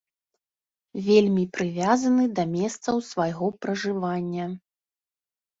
Вельмі прывязаны да месцаў свайго пражывання.